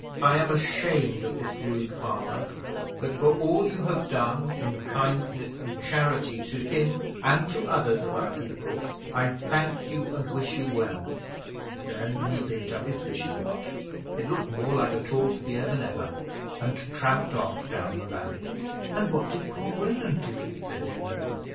I am ashamed of this rude farmer; but for all you have done in kindness and charity to him and to others of our people, I thank you and wish you well." Then he picked up his fishing rod it looked more like a tall spear than ever and tramped off down your valley.' 'And what did poor Weland do?' said Una.